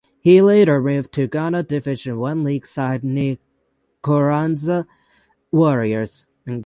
He later moved to Ghana Division One League side Nkoranza Warriors.